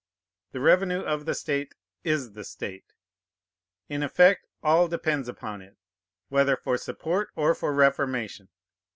The revenue of the state is the state. In effect, all depends upon it, whether for support or for reformation.